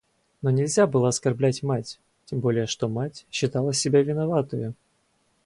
Но нельзя было оскорблять мать, тем более что мать считала себя виноватою.